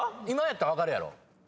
今やったら分かるやろ？